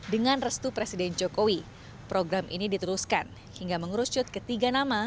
dengan restu presiden jokowi program ini diteruskan hingga mengerucut ketiga nama